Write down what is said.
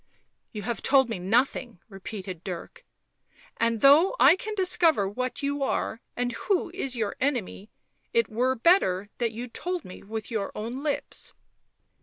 " You have told me nothing," repeated Dirk. " And though I can discover what you are and who is your enemy, it were better that you told me with your own lips.